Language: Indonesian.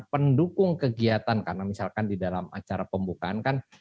pendukung kegiatan karena misalkan di dalam acara pembukaan kan